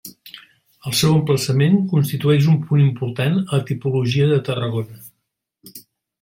El seu emplaçament constitueix un punt important a la tipologia de Tarragona.